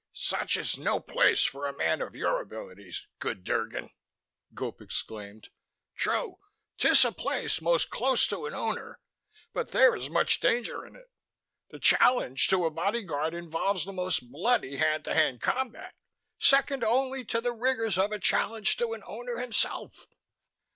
"Such is no place for a man of your abilities, good Drgon," Gope exclaimed. "True, 'tis a place most close to an Owner, but there is much danger in it. The challenge to a bodyguard involves the most bloody hand to hand combat, second only to the rigors of a challenge to an Owner himself."